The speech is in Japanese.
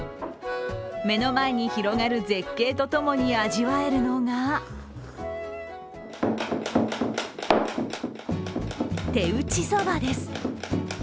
目の前に広がる絶景とともに味わえるのが手打ちそばです。